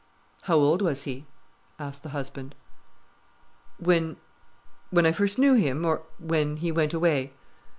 "How old was he?" asked the husband. "When—when I first knew him? Or when he went away?